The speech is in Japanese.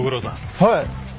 はい！